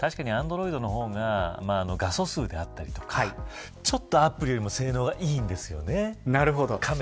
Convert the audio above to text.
確かに、アンドロイドの方が画素数だったりとかちょっとアップルよりも性能がいいんですよね。